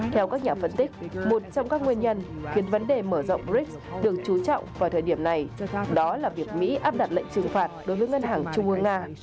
theo các nhà phân tích một trong các nguyên nhân khiến vấn đề mở rộng brics được chú trọng vào thời điểm này đó là việc mỹ áp đặt lệnh trừng phạt đối với ngân hàng trung ương nga